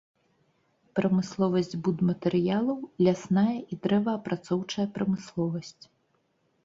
Прамысловасць будматэрыялаў, лясная і дрэваапрацоўчая прамысловасць.